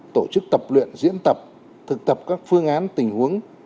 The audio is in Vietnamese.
tổ chức tập luyện diễn tập thực tập các phương án tình huống